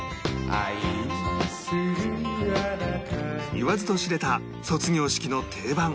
言わずと知れた卒業式の定番